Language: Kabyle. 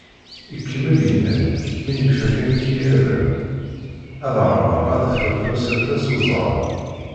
Ikemmel yenna-d: “Mi nekfa kan ikayaden, ad ɛerḍeɣ ad fruɣ tamsalt-a s uẓar."